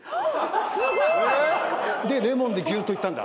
すごい！でレモンでギュっと行ったんだ。